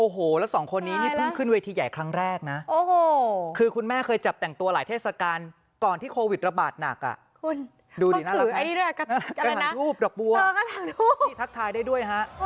ดูดิน่ารักไหมกระหังรูประบุว่าที่ทักทายได้ด้วยฮะ